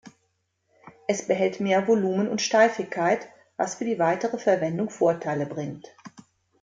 Es behält mehr Volumen und Steifigkeit, was für die weitere Verwendung Vorteile bringt.